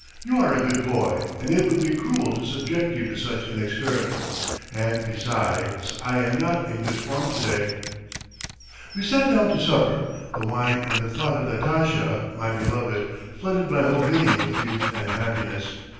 You are a good boy and it would be cruel to subject you to such an experiment. And besides I am not in good form to day.' "We sat down to supper. The wine and the thought of Natasha, my beloved, flooded my whole being with youth and happiness.